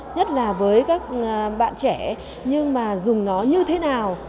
nhất là với các bạn trẻ nhưng mà dùng nó như thế nào